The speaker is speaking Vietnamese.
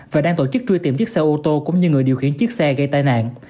và đang tổ chức truy tìm chiếc xe ô tô cũng như người điều khiển chiếc xe gây tai nạn